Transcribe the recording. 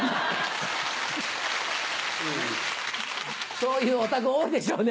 そういうお宅多いでしょうね。